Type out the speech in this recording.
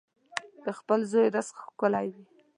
د خپل لاس رزق ښکلی وي.